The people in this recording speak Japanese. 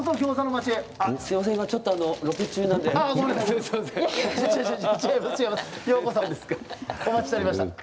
ようこそお待ちしておりました。